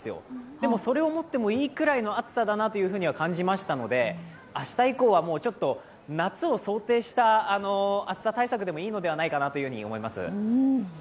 でも、それを持ってもいいくらいの暑さだなと感じましたので、明日以降はもうちょっと夏を想定した暑さ対策でもいいのかなと思います。